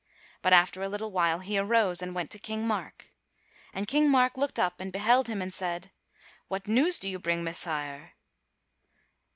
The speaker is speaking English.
But after a little while he arose and went to King Mark; and King Mark looked up and beheld him and said, "What news do you bring, Messire?"